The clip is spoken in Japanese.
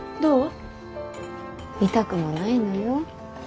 痛くもないのよ。